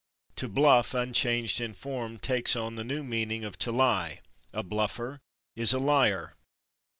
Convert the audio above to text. /To bluff/, unchanged in form, takes on the new meaning of to lie: a /bluffer/ is a liar.